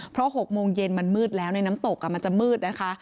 เพราะ๖โมงเย็นมันมืดแล้วในน้ำตกมันจะมืดนะคะ